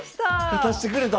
勝たしてくれた！